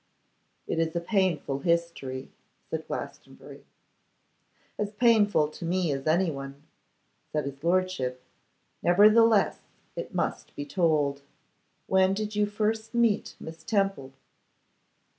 'It is a painful history,' said Glastonbury. 'As painful to me as anyone,' said his lordship; 'nevertheless, it must be told. When did you first meet Miss Temple?